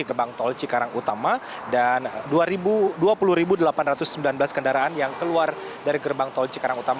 gerbang tol cikarang utama dan dua puluh delapan ratus sembilan belas kendaraan yang keluar dari gerbang tol cikarang utama